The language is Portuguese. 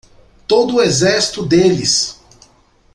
Todo o exército deles!